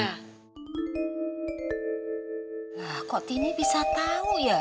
nah kok tini bisa tau ya